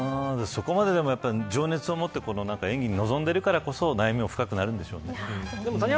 そこまで情熱を持って演技に臨んでいるからこそ悩みも深くなるんでしょうね。